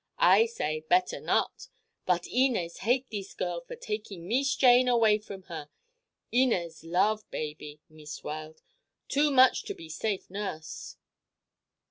I say better not. But Inez hate thees girl for taking Mees Jane away from her. Inez love baby, Meest Weld; too much to be safe nurse."